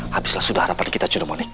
habislah sudah harapan kita cudamonik